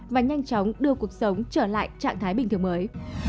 và nhanh chóng đưa cuộc sống trở lại trạng thái bình thường mới